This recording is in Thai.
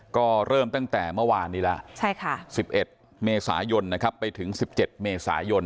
ก็เริ่มตั้งแต่เมื่อวานนี้แล้ว๑๑เมษายนไปถึง๑๗เมษายน